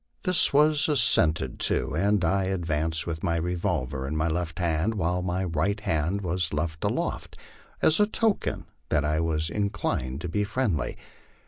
This was assented to, and I advanced with my revolver in my left hand, while my right hand was held aloft as a token that I was inclined to be friendly.